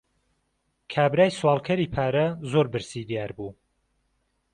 کابرای سواڵکەری پارە، زۆر برسی دیار بوو.